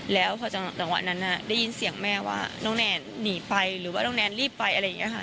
แล้วพอจังหวะนั้นได้ยินเสียงแม่ว่าน้องแนนหนีไปหรือว่าน้องแนนรีบไปอะไรอย่างนี้ค่ะ